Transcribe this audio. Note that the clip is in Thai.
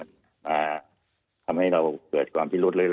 ทำให้เราเกิดความพิรุษเรื่อย